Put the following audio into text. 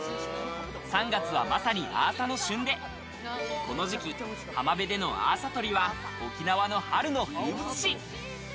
３月はまさにアーサの旬でこの時期、浜辺でのアーサとりは沖縄の春の風物詩。